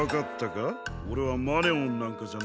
オレはマネオンなんかじゃないのさ。